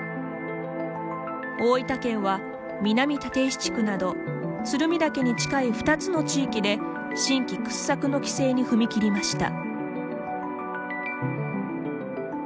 大分県は南立石地区など鶴見岳に近い２つの地域で新規掘削の規制に踏み切りました。